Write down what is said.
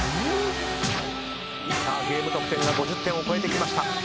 さあゲーム得点が５０点を超えてきました。